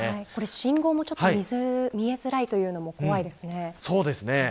信号も見えづらいというのも怖いですね。